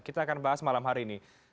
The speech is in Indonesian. kita akan bahas malam hari ini